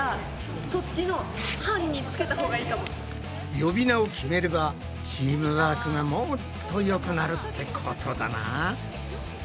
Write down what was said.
呼び名を決めればチームワークがもっとよくなるってことだな。